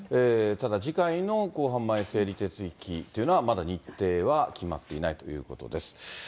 ただ次回の公判前整理手続きっていうのは、まだ日程は決まっていないということです。